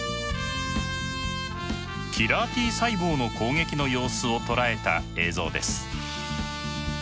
キラーＴ細胞の攻撃の様子を捉えた映像です。